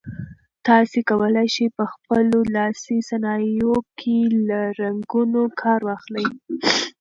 تاسي کولای شئ په خپلو لاسي صنایعو کې له رنګونو کار واخلئ.